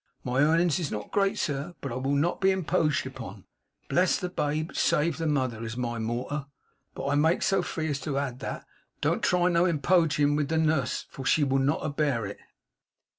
My earnins is not great, sir, but I will not be impoged upon. Bless the babe, and save the mother, is my mortar, sir; but I makes so free as add to that, Don't try no impogician with the Nuss, for she will not abear it!